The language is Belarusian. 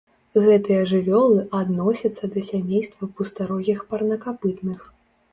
Гэтыя жывёлы адносяцца да сямейства пустарогіх парнакапытных.